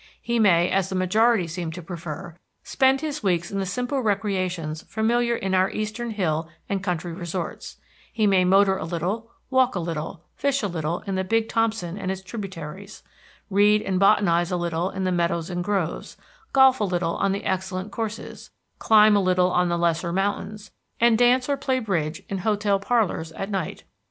He may, as the majority seem to prefer, spend his weeks in the simple recreations familiar in our eastern hill and country resorts; he may motor a little, walk a little, fish a little in the Big Thompson and its tributaries, read and botanize a little in the meadows and groves, golf a little on the excellent courses, climb a little on the lesser mountains, and dance or play bridge in hotel parlors at night.